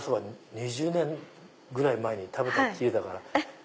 ２０年ぐらい前に食べたっきりだから。